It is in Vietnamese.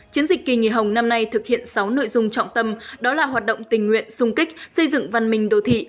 chiến dịch kỳ nghỉ hồng năm nay thực hiện sáu nội dung trọng tâm đó là hoạt động tình nguyện sung kích xây dựng văn minh đô thị